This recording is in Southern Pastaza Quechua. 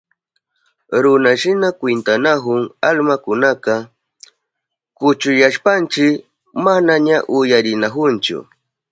Runashina kwintanahun almakunaka, kuchuyashpanchi manaña uyarinahunchu.